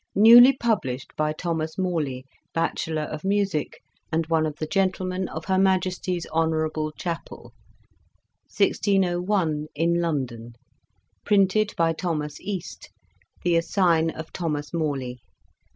Newly published by Thomas Morley Batchelar of Musick, and one of the Gentlemen of Her Majesties Honourable Chappell 1601 In London Printed by Thomas Este, The Assigne of Thomas Morley.